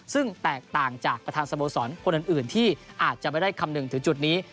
ซึ่งแตกต่างจากประธานสโมสรคนอื่นที่อาจจะไม่ได้คำนึงถึงจุดนี้